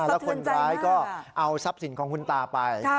แล้วคนร้ายก็เอาทรัพย์สินของคุณตาไป